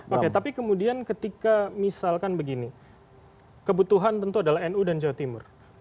oke tapi kemudian ketika misalkan begini kebutuhan tentu adalah nu dan jawa timur